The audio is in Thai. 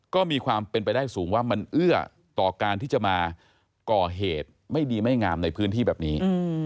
ก็มีความเป็นไปได้สูงว่ามันเอื้อต่อการที่จะมาก่อเหตุไม่ดีไม่งามในพื้นที่แบบนี้